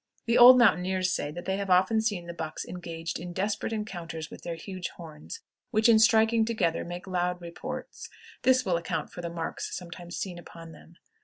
The old mountaineers say they have often seen the bucks engaged in desperate encounters with their huge horns, which, in striking together, made loud reports. This will account for the marks sometimes seen upon them.